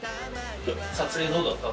撮影どうだった？